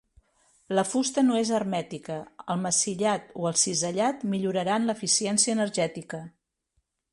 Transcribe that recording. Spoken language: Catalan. La fusta no és hermètica, el massillat o el cisellat milloraran l'eficiència energètica.